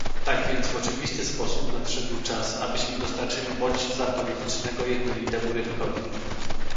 Tak więc w oczywisty sposób nadszedł czas, abyśmy dostarczyli bodźca politycznego jednolitemu rynkowi